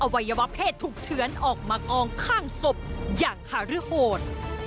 วัยวะเพศถูกเชื้อนออกมากองข้างศพอย่างขารือโหด